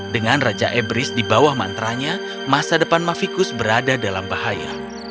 dengan raja ebris di bawah mantranya masa depan mavikus berada dalam bahaya